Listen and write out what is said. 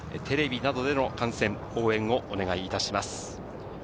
テレビなどでの観戦・応援をお願いいたします。